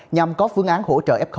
nhằm có phương án hỗ trợ f